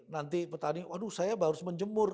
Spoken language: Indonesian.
nanti petani waduh saya baru menjemur